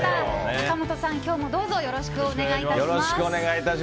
坂本さん、今日もどうぞよろしくお願いいたします。